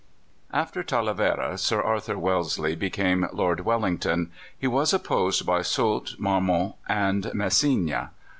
After Talavera Sir Arthur Wellesley became Lord Wellington; he was opposed by Soult, Marmont, and Masséna.